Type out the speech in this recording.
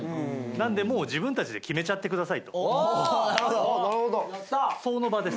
なのでもう自分たちで決めちゃってくださいとその場です。